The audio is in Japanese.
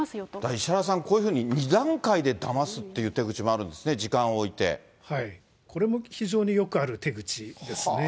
石原さん、こういうふうに２段階でだますっていう手口もあるんですね、時間これも非常によくある手口ですね。